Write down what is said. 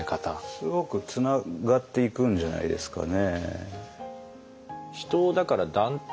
すごくつながっていくんじゃないですかね。